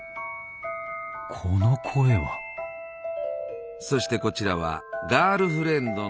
この声はそしてこちらはガールフレンドのミミ。